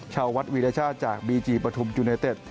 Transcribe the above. ชาววัดวิราชาจากบีจีประทุมยูเนตเต็ด